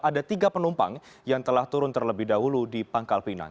ada tiga penumpang yang telah turun terlebih dahulu di pangkal pinang